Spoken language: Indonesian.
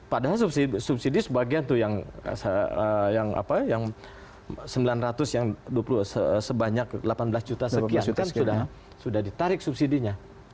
padahal subsidi sebagian tuh yang sembilan ratus yang sebanyak delapan belas juta sekian kan sudah ditarik subsidinya